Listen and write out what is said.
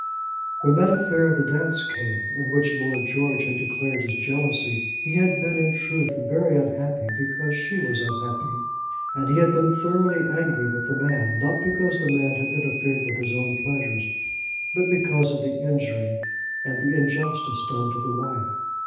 When that affair of the dance came, in which Lord George had declared his jealousy, he had been in truth very unhappy because she was unhappy, and he had been thoroughly angry with the man, not because the man had interfered with his own pleasures, but because of the injury and the injustice done to the wife.